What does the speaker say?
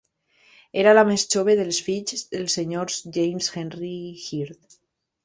Era la més jove dels fills dels senyors James Henry Hird.